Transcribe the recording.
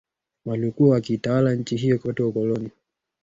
waliokuwa wakiitawala nchi hiyo wakati wa ukoloni